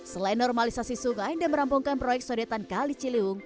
selain normalisasi sungai dan merampungkan proyek sodetan kali ciliwung